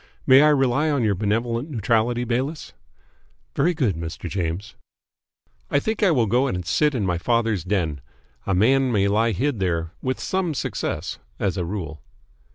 May I rely on your benevolent neutrality, Bayliss?" "Very good, Mr. James." "I think I will go and sit in my father's den. A man may lie hid there with some success as a rule."